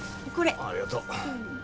ありがとう。